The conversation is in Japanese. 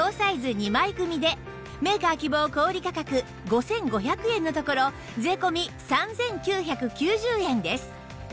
２枚組でメーカー希望小売価格５５００円のところ税込３９９０円です